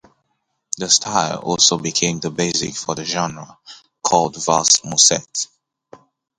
The style also became the basis for a genre called valse musette.